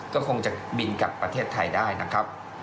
ก็คงจะบินกลับประเทศไทยได้นะครับ